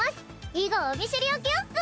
以後お見知りおきをっス！